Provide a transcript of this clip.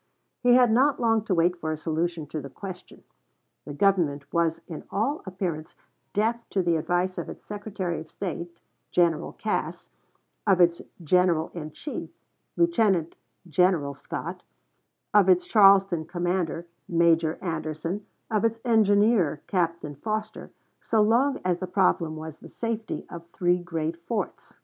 He had not long to wait for a solution of the question. The Government was in all appearance deaf to the advice of its Secretary of State, General Cass, of its General in Chief, Lieutenant General Scott, of its Charleston Commander, Major Anderson, of its engineer, Captain Foster, so long as the problem was the safety of three great forts.